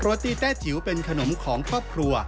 ตี้แต้จิ๋วเป็นขนมของครอบครัว